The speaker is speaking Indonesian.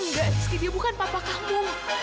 enggak dia bukan papa kamu